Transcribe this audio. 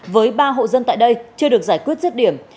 với ba hộ dân tại đây chưa được giải quyết rứt điểm